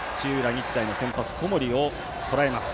日大の先発、小森をとらえます。